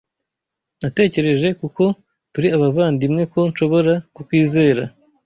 Natekereje kuko turi abavandimwe ko nshobora kukwizera